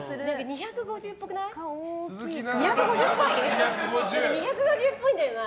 ２５０っぽいんだよな。